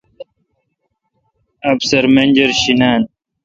افسر منجر شی نان۔